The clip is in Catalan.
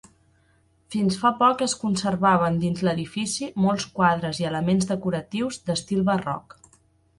Fins fa poc es conservaven dins l'edifici molts quadres i elements decoratius d'estil barroc.